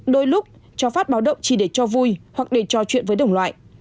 đôi lúc cho phát báo động chỉ để cho vui hoặc để trò chuyện với đồng loại